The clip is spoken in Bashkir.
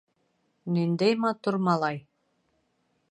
Ниндәй матур малай!